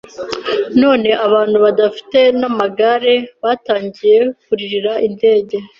None abantu badafite n'amagare batangiye kuririra indege,